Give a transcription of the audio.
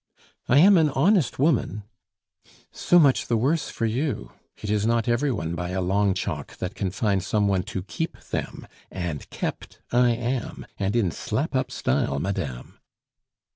"I am an honest woman " "So much the worse for you. It is not every one by a long chalk that can find some one to keep them, and kept I am, and in slap up style, madame."